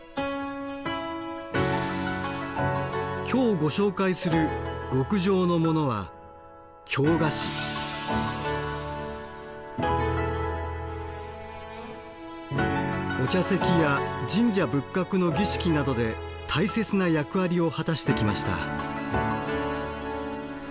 今日ご紹介する極上のモノはお茶席や神社仏閣の儀式などで大切な役割を果たしてきました。